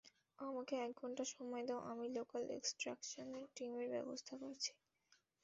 আমাকে এক ঘন্টা সময় দাও আমি লোকাল এক্সট্রাকশন টিমের ব্যবস্থা করছি।